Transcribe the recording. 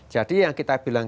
jadi yang kita bilang